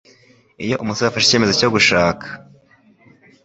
Iyo umusore afashe icyemezo cyo gushaka,